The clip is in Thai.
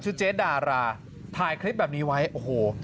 เจ๊ดาราถ่ายคลิปแบบนี้ไว้โอ้โห